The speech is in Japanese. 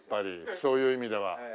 そういう意味では。